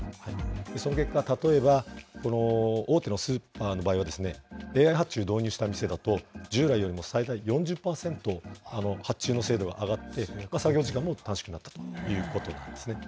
その結果、例えば、この大手のスーパーの場合は、ＡＩ発注を導入した店だと、従来よりも最大４０％、発注の精度が上がって、作業時間も短縮になったということなんですね。